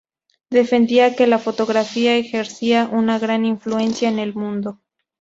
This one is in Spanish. Defendía que la fotografía ejercería una gran influencia en el mundo.